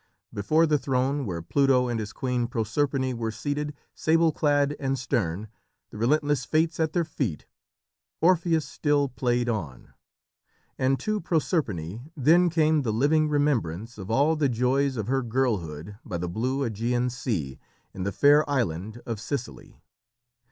Before the throne where Pluto and his queen Proserpine were seated, sable clad and stern, the relentless Fates at their feet, Orpheus still played on. And to Proserpine then came the living remembrance of all the joys of her girlhood by the blue Ægean Sea in the fair island of Sicily.